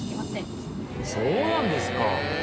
そうなんですか。